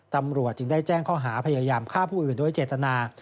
ตำรวจจึงได้แจ้งข้อหาพยายามฆ่าผู้อื่นโดยเจตนา